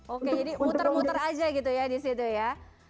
oke jadi muter muter aja gitu ya disitu ya